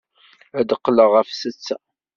Ad d-qqleɣ ɣef ssetta.